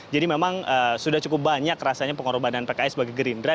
jadi memang sudah cukup banyak rasanya pengorbanan pks sebagai gerindra